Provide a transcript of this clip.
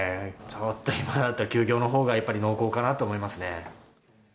ちょっと今だったら、休業のほうがやっぱり濃厚かなと思いますね。